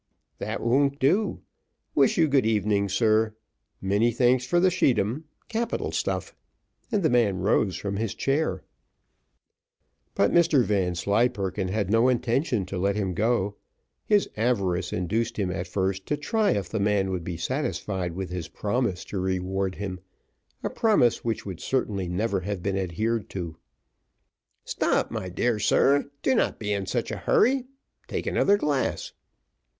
"That won't do. Wish you good evening, sir. Many thanks for the scheedam capital stuff!" and the man rose from his chair. But Mr Vanslyperken had no intention to let him go; his avarice induced him at first to try if the man would be satisfied with his promise to reward him a promise which would certainly never have been adhered to. "Stop! my dear sir, do not be in such a hurry. Take another glass."